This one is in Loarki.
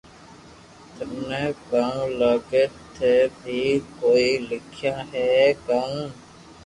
ٿني ڪاو لاگي ٿي بي ڪوئي لکيا ھي ڪاو